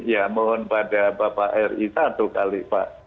ya mohon pada bapak ri satu kali pak